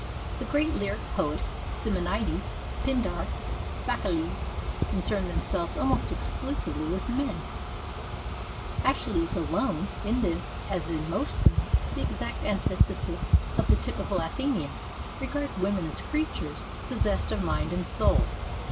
The great lyric poets, Simomdes, Pindar, Hacchylides, concern themselves almost exclusively with men ; iEschylus alone, in this, as in most things, the exact antithesis of the typical Athenian, regards women as creatures possessed of mind and soul.